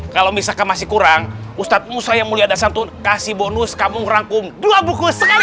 kalau misalkan masih kurang ustadz musayyamuli adasantun kasih bonus kamu rangkum dua buku sekali